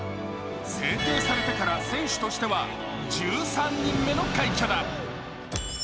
制定されてから選手としては１３人目の快挙だ。